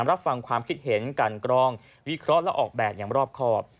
รับฟังความคิดเห็นกันกรองวิเคราะห์และออกแบบอย่างรอบครอบ